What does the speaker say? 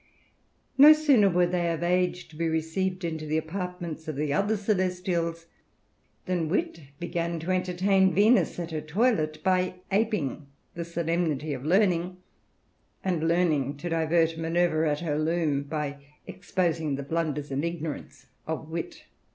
No sooner were they of age to be received into the apartments of the other celestials, than Wit began to entertain Venus at her toilet, by aping the solemnity of Learning, and Learning to divert Minerva at her loom, by exposing the blunders and ignorance of Wit.